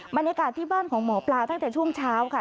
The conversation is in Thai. บรรยากาศที่บ้านของหมอปลาตั้งแต่ช่วงเช้าค่ะ